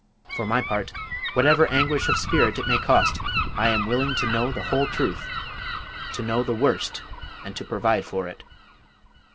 For my part, whatever anguish of spirit it may cost, I am willing to know the whole truth; to know the worst, and to provide for it.